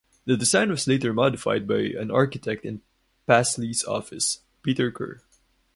The design was later modified by an architect in Pasley's office, Peter Kerr.